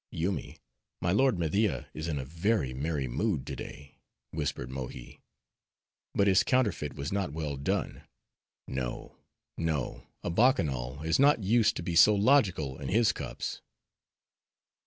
"Yoomy, my lord Media is in a very merry mood to day," whispered Mohi, "but his counterfeit was not well done. No, no, a bacchanal is not used to be so logical in his cups."